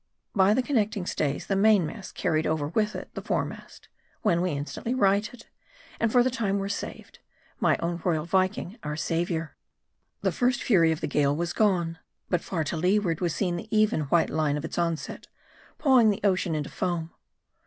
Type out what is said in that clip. By the connecting stays, the mainmast carried over with it the foremast ; when we instantly righted, and for the time were saved ; my own royal Viking our saviour. The first fury of the gale was gone. But far to leeward was seen the even, white line of its onset, pawing the ocean into foam.